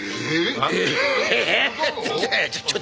えっ？